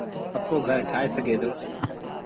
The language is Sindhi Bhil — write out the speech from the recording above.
پڪو گھر ٺآهي سگھي دو۔